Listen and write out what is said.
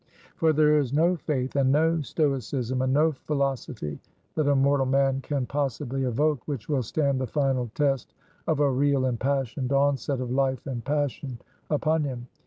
For there is no faith, and no stoicism, and no philosophy, that a mortal man can possibly evoke, which will stand the final test of a real impassioned onset of Life and Passion upon him.